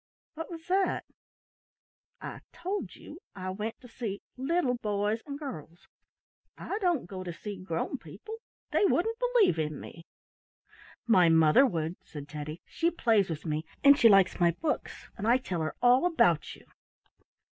"What was that?" "I told you I went to see little boys and girls. I don't go to see grown people. They wouldn't believe in me." "My mother would," said Teddy. "She plays with me and she likes my books and I tell her all about you."